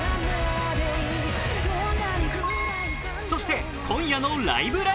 そして今夜の「ライブ！